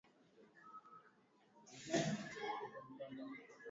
Cha kutumaini sina.